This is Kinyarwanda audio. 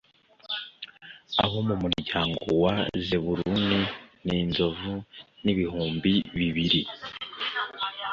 Abo mu muryango wa Zebuluni ni inzovu n’ibihumbi bibiri.